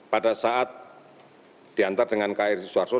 pada saat diantar dengan kri suharto